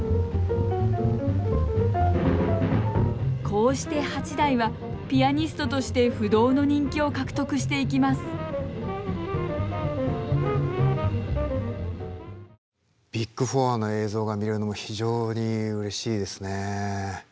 こうして八大はピアニストとして不動の人気を獲得していきますビッグ・フォアの映像が見れるのも非常にうれしいですね。